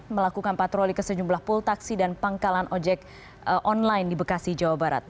melakukan patroli ke sejumlah pul taksi dan pangkalan ojek online di bekasi jawa barat